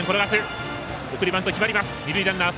送りバント決まります。